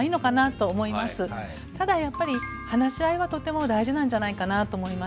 ただやっぱり話し合いはとても大事なんじゃないかなと思います。